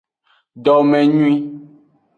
Domenyuie.